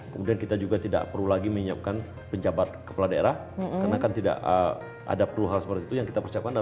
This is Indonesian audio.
kemudian kita juga tidak perlu lagi menyiapkan penjabat kepala daerah karena kan tidak ada perlu hal seperti itu yang kita persiapkan